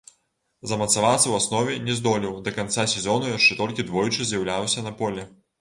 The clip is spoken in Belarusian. Замацавацца ў аснове не здолеў, да канца сезону яшчэ толькі двойчы з'яўляўся на полі.